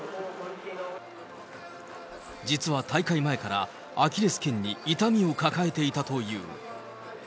実は大会前からアキレスけんに痛みを抱えていたという。